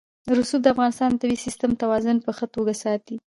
رسوب د افغانستان د طبعي سیسټم توازن په ښه توګه ساتي.